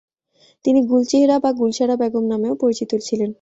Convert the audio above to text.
তিনি গুলচিহরা বা গুলশারা বেগম নামেও পরিচিত ছিলেন।